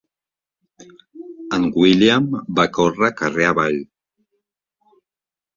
En William va córrer carrer avall.